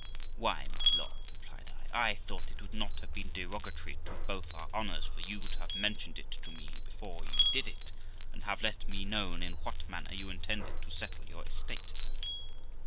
'Why, my lord', replied I, 'I thought it would not have been derogatory to both our honours for you to have mentioned it to me before you did it, and have let me known in what manner you intended to settle your estate.